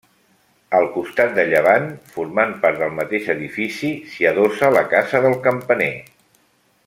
Al costat de llevant, formant part del mateix edifici s'hi adossa la casa del campaner.